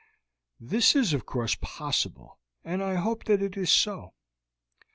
"That is, of course, possible, and I hope that it is so."